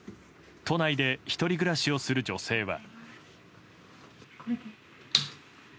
都内で１人暮らしをする女性は。